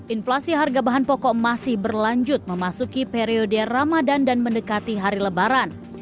inflasi harga bahan pokok masih berlanjut memasuki periode ramadan dan mendekati hari lebaran